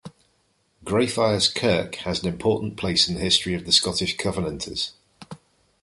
Greyfriars Kirk has an important place in the history of the Scottish Covenanters.